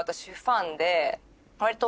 割と。